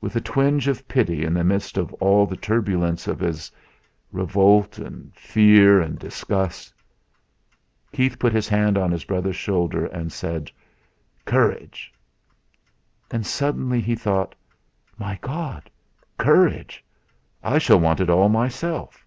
With a twinge of pity in the midst of all the turbulence of his revolt, and fear, and disgust Keith put his hand on his brother's shoulder, and said: "Courage!" And suddenly he thought: 'My God! Courage! I shall want it all myself!'